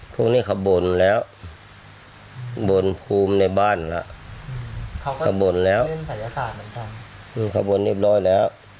พวกนี้ขบ่นแล้วบ่นภูมิในบ้านแล้วขบ่นแล้วขบวนเรียบร้อยแล้ว